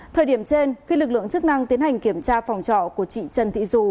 thời điểm trên khi lực lượng chức năng tiến hành kiểm tra phòng trọ của chị trần thị dù